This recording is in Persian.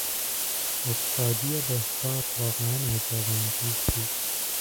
استادی بهزاد واقعا اعجابانگیز بود.